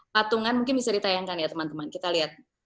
patungan mungkin bisa ditayangkan ya teman teman kita lihat